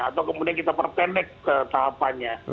atau kemudian kita perpendek tahapannya